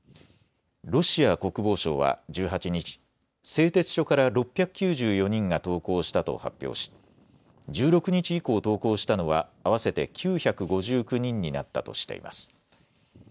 ロシア国防省は１８日、製鉄所から６９４人が投降したと発表し１６日以降、投降したのは合わせて９５９人になったとしています。